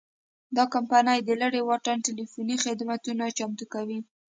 دا کمپنۍ د لرې واټن ټیلیفوني خدمتونه چمتو کوي.